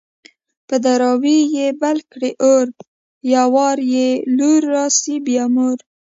په دراوۍ يې بل کي اور _ يو وار يې لور راسي بيا مور